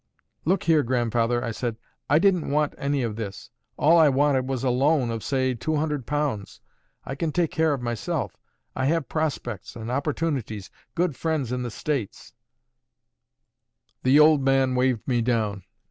"Look here, grandfather," I said, "I didn't want any of this. All I wanted was a loan of (say) two hundred pounds. I can take care of myself; I have prospects and opportunities, good friends in the States " The old man waved me down.